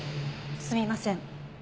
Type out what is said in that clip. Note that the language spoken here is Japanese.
すみません。